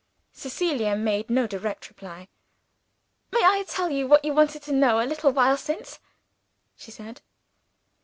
Cecilia made no direct reply. "May I tell you what you wanted to know, a little while since?" she said.